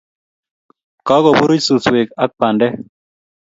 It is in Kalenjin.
kakopuruch suswek ak pandek